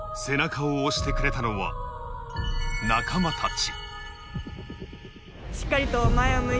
背中を押してくれたのは仲間たち。